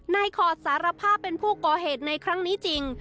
ขอดสารภาพเป็นผู้ก่อเหตุในครั้งนี้จริง